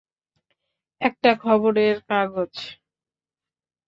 একটা খবরের কাগজ।